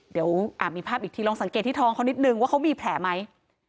เดี๋ยวมีภาพอีกทีลองสังเกตที่ท้องเขานิดนึงว่าเขามีแผลไหม